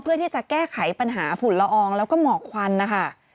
เพื่อที่จะแก้ไขปัญหาฝุ่นละอองแล้วก็หมอกควันนะคะ